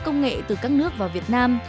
công nghệ từ các nước vào việt nam